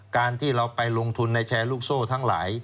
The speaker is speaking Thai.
การที่เราไปลงทุนในแชร์ลูกโซ่ทั้งหลาย